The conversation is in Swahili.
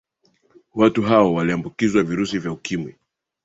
watu hao waliambukizwa virusi vya ukimwi